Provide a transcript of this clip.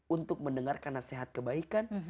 untuk mendengarkan nasihat kebaikan